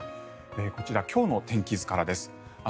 こちら、今日の天気図からです。